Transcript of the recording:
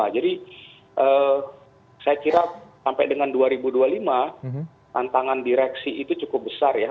jadi saya kira sampai dengan dua ribu dua puluh lima tantangan direksi itu cukup besar ya